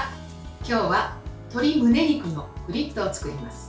今日は鶏むね肉のフリットを作ります。